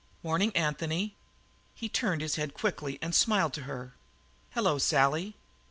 "Morning, Anthony." He turned his head quickly and smiled to her. "Hello, Sally."